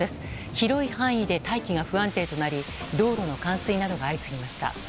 広い範囲で大気が不安定となり道路の冠水などが相次ぎました。